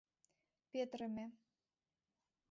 Петырыме.